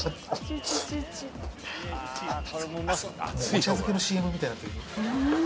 お茶漬けのＣＭみたいになってるよ。